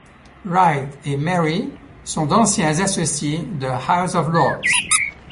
Wright et Mary sont d'anciens associés de House of Lords.